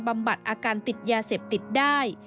บำบัดอาการติดยาเสพติดได้